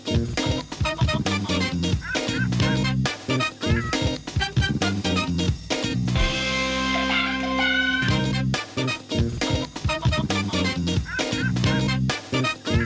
อืมนัดค่ะ